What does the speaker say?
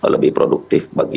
lebih produktif bagi